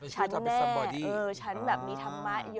แน่ฉันแบบมีธรรมะเยอะ